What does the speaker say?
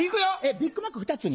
ビッグマック２つに？